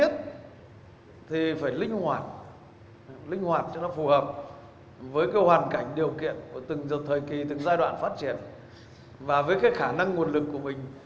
phù hợp với hoàn cảnh điều kiện từng giai đoạn phát triển và với khả năng nguồn lực của mình